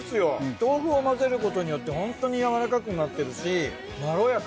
豆腐を混ぜることによってホントにやわらかくなってるしまろやか。